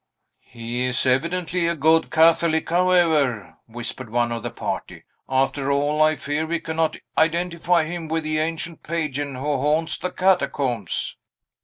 "He is evidently a good Catholic, however," whispered one of the party. "After all, I fear we cannot identify him with the ancient pagan who haunts the catacombs."